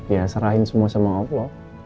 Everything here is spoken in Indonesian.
ya serahin semua sama allah